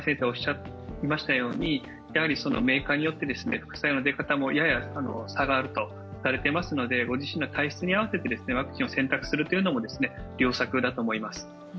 メーカーによって副作用の出方もやや差があるとされていますのでご自身の体質に合わせてワクチンを選択するのも良策だと思います。